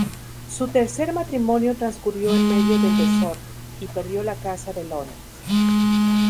Su tercer matrimonio transcurrió en medio del desorden, y perdió la casa de Londres.